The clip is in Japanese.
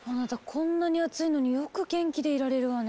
こんなに暑いのによく元気でいられるわね。